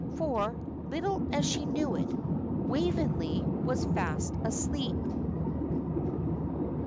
For, little as she knew it, Waveney was fast asleep.